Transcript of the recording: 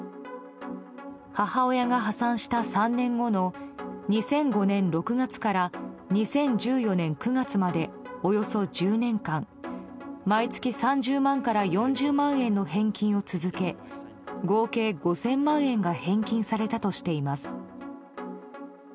母親が破産した３年後の２００５年６月から２０１４年９月までおよそ１０年間毎月３０万から４０万円の返金を続け合計５０００万円が返金されたとしています。